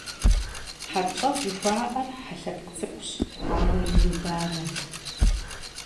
ХьэпщӀэу жыхуаӏэр хьэ лъэпкъ цӀыкӀущ, ауэ ину банэу.